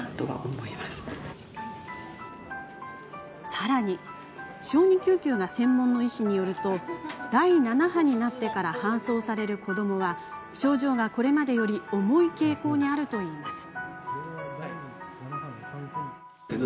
さらに、小児救急が専門の医師によると第７波になってから搬送される子どもは症状がこれまでより重い傾向にあるといいます。